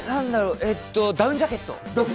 ダウンジャケット。